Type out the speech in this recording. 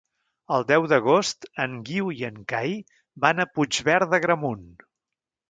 El deu d'agost en Guiu i en Cai van a Puigverd d'Agramunt.